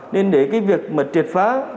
nên để cái việc mà triệt phá